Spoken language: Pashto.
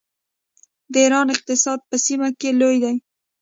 د ایران اقتصاد په سیمه کې لوی دی.